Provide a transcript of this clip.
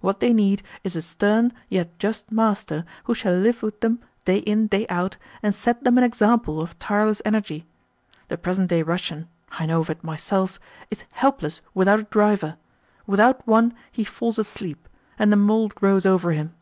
What they need is a stern, yet just, master who shall live with them, day in, day out, and set them an example of tireless energy. The present day Russian I know of it myself is helpless without a driver. Without one he falls asleep, and the mould grows over him."